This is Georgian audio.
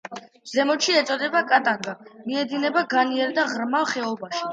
ზემოთში ეწოდება კატანგა, მიედინება განიერ და ღრმა ხეობაში.